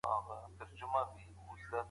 بد کار شر راولي